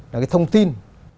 là cái thông tin